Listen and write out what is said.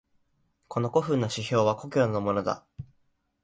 この古風な酒瓢は故郷のものだ。